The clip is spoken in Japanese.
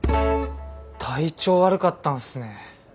体調悪かったんすね。